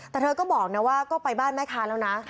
แต่เธอก็บอกนะว่าก็ไปบ้านแม่ค้าแล้วนะ